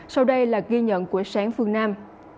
sau đây là ghi nhận của sáng phương nam